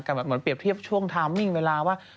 เหมือนเปรียบเทียบช่วงทามมิ่งเวลาว่า